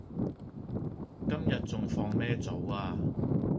今日仲放咩早呀